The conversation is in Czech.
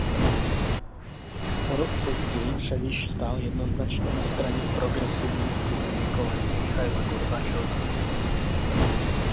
O rok později však již stál jednoznačně na straně progresivní skupiny kolem Michaila Gorbačova.